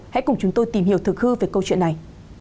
hãy cùng chúng tôi tìm hiểu thực hư về câu chuyện này